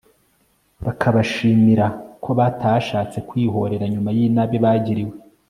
bakabashimira ko batashatse kwihorera nyuma y'inabi bagiriwe